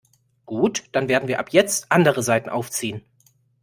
Gut, dann werden wir ab jetzt andere Saiten aufziehen.